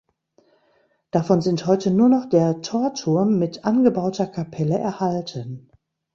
Davon sind heute nur noch der Torturm mit angebauter Kapelle erhalten.